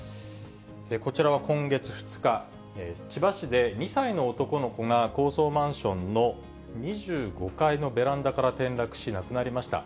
こちらは今月２日、千葉市で２歳の男の子が高層マンションの２５階のベランダから転落し、亡くなりました。